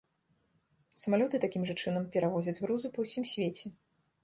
Самалёты такім жа чынам перавозяць грузы па ўсім свеце.